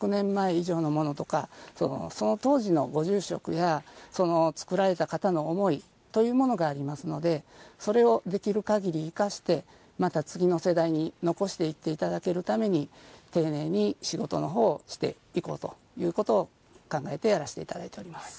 以上前のものとかその当時のご住職や作られた方の思いというものがありますのでそれをできるかぎり生かしてまた次の世代に残していっていただけるために丁寧に仕事のほうをしていこうということを考えてやらせていただいております。